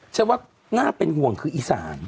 ฉันว่าน่าเป็นห่วงคืออีสาน